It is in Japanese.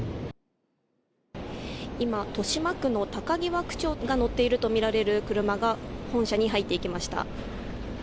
今、豊島区の高際区長が乗っているとみられる車が本社に入っていきました。